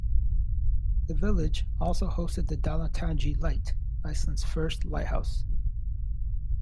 The village also hosted the Dalatangi light, Iceland's first lighthouse.